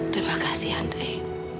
terima kasih andui